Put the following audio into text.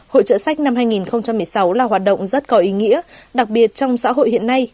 hội trợ sách năm hai nghìn một mươi sáu là hoạt động rất có ý nghĩa đặc biệt trong xã hội hiện nay